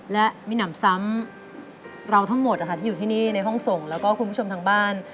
และมีหนำซ้ำเราทั้งหมดที่อยู่ที่นี่ในห้องส่งแล้วก็คุณผู้ชมทางบ้าน